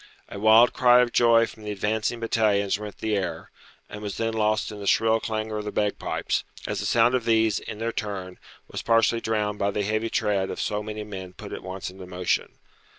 A wild cry of joy from the advancing batallions rent the air, and was then lost in the shrill clangour of the bagpipes, as the sound of these, in their turn, was partially drowned by the heavy tread of so many men put at once into motion.